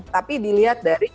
tapi dilihat dari